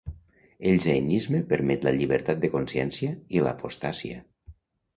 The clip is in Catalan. El jainisme permet la llibertat de consciència i l'apostasia.